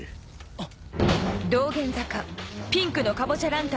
あっ！